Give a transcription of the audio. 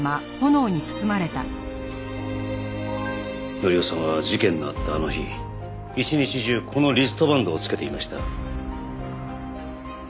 紀夫さんは事件のあったあの日一日中このリストバンドを着けていました。